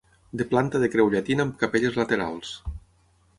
De planta de creu llatina amb capelles laterals.